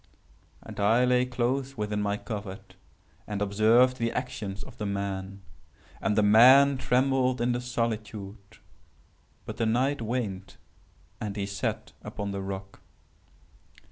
And I lay close within my covert and observed the actions of the man. And the man trembled in the solitude;—but the night waned and he sat upon the rock.